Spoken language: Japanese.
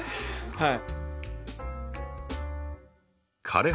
はい。